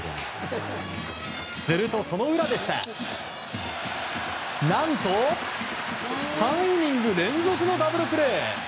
すると、その裏でした。何と３イニング連続のダブルプレー！